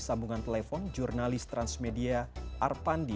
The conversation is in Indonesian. sambungan telepon jurnalis transmedia arpandi